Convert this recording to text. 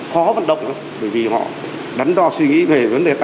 khó vận động lắm bởi vì họ đắn đo suy nghĩ về vấn đề tài sản của người ta